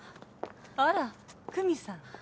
あら久美さん。